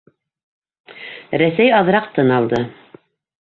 Рәсәй аҙыраҡ тын алды.